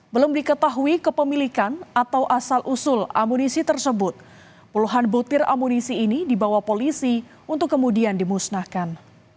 belum diketahui kepemilikan atau asal usul amunisi tersebut puluhan butir amunisi ini dibawa polisi untuk kemudian dimusnahkan